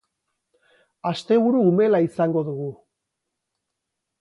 Asteburu umela izango dugu.